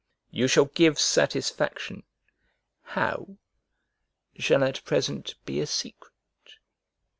You shall give satisfaction, how, shall at present be a secret.